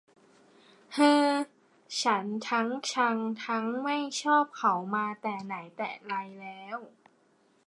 เฮ่อ ฉันทั้งชังทั้งไม่ชอบเขามาแต่ไหนแต่ไรแล้ว